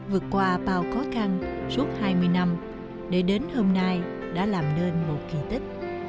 vượt qua bao khó khăn suốt hai mươi năm để đến hôm nay đã làm nên một kỳ tích